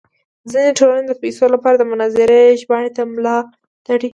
ځینې ټولنې د پیسو لپاره د مناظرې ژباړې ته ملا تړي.